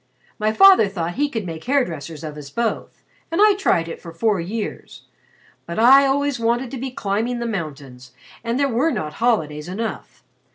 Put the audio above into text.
"My father thought he could make hair dressers of us both, and I tried it for four years. But I always wanted to be climbing the mountains and there were not holidays enough.